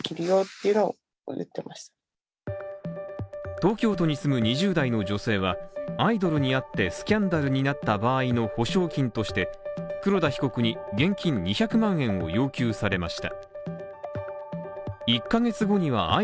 東京都に住む２０代の女性はアイドルになってスキャンダルになった場合の保証金として黒田被告に現金２００万円を要求されました。